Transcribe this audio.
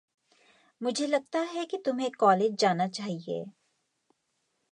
मुझे लगता है कि तुम्हें कॉलेज जाना चाहिये।